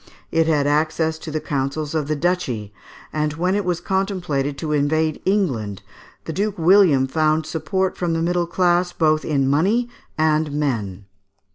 It had access to the councils of the duchy; and when it was contemplated to invade England, the Duke William (Fig. 35) found support from the middle class, both in money and men.